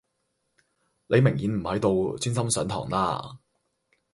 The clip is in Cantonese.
你明顯唔喺度專心上堂啦